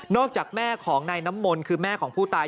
นอกจากแม่ของในน้ำมนคือแม่ของผู้ตาย